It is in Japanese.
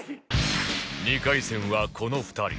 ２回戦はこの２人